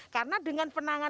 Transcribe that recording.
karena dengan penanganan berat